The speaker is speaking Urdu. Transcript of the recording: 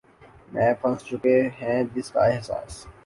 میں پھنس چکے ہیں جس کا احساس